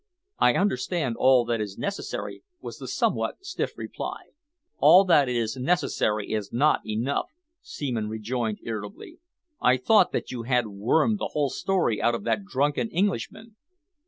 "I understand all that is necessary," was the somewhat stiff reply. "All that is necessary is not enough," Seaman rejoined irritably. "I thought that you had wormed the whole story out of that drunken Englishman?"